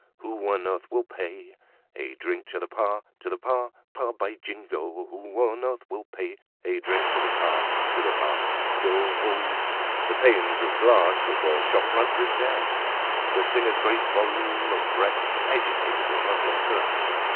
who on earth will pay A drink to the pa—to the pa—pa—? By Jingo! who on earth will pay A drink to the pa—to the pa—tro—o—l?" The panes of glass of the shop front resounded, the singers' great volume of breath agitated the muslin curtains.